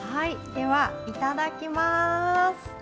ではいただきます。